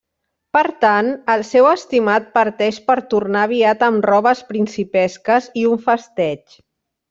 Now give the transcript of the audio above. Per tant, el seu estimat parteix per tornar aviat amb robes principesques i un festeig.